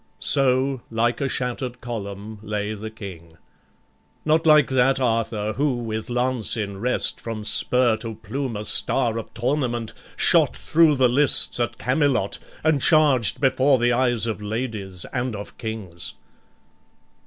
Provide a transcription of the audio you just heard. So like a shatter'd column lay the King; Not like that Arthur who, with lance in rest, From spur to plume a star of tournament, Shot thro' the lists at Camelot, and charged Before the eyes of ladies and of kings.